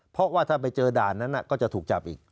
เพราะว่าถ้าไปเจอด่านนั้นก็จะถูกจับอีก